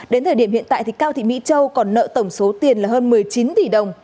đến thời điểm hiện tại cao thị mỹ châu còn nợ tổng số tiền là hơn một mươi chín tỷ đồng